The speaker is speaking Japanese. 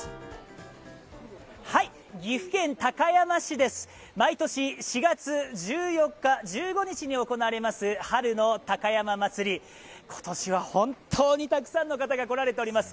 岐阜県高山市です、毎年４月１４日、１５日に行われます、春の高山祭、今年は本当にたくさんの方が来られております。